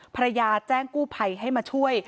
ภรรยาแจ้งกู้ภัยให้มาช่วย